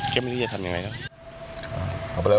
เจ๊ไม่รู้จะทำยังไงแล้ว